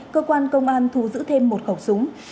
cơ quan công an thu giữ thêm một khẩu súng